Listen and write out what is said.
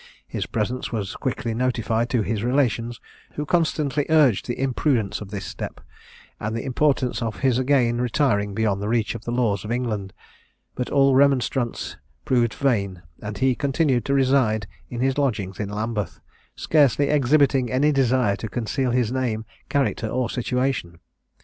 His presence was quickly notified to his relations, who constantly urged the imprudence of this step, and the importance of his again retiring beyond the reach of the laws of England, but all remonstrance proved vain, and he continued to reside in his lodgings in Lambeth, scarcely exhibiting any desire to conceal his name, character, or situation.